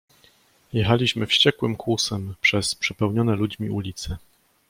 "Jechaliśmy wściekłym kłusem przez przepełnione ludźmi ulice."